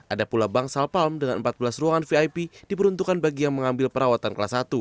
ada pula bangsal palm dengan empat belas ruangan vip diperuntukkan bagi yang mengambil perawatan kelas satu